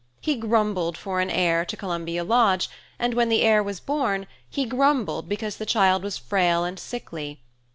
He grumbled for an heir to Columbia Lodge, and when the heir was born he grumbled because the child was frail and sickly.